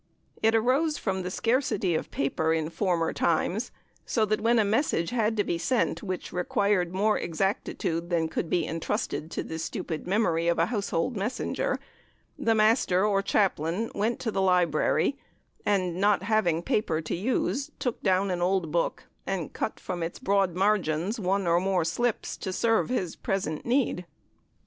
It arose from the scarcity of paper in former times, so that when a message had to be sent which required more exactitude than could be entrusted to the stupid memory of a household messenger, the Master or Chaplain went to the library, and, not having paper to use, took down an old book, and cut from its broad margins one or more slips to serve his present need.